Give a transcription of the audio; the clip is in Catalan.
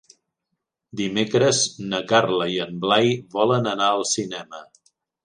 Dimecres na Carla i en Blai volen anar al cinema.